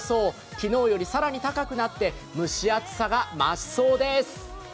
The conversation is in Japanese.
昨日より更に高くなって蒸し暑さが増しそうです。